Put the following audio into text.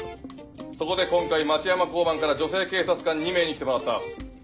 そこで今回町山交番から女性警察官２名に来てもらった。